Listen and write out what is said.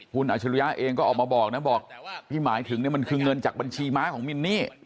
คุณอาชิริยะเองก็ออกมาบอกนะบอกที่หมายถึงเนี่ยมันคือเงินจากบัญชีม้าของมินนี่